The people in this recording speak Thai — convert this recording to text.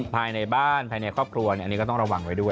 ภายในบ้านภายในครอบครัวอันนี้ก็ต้องระวังไว้ด้วย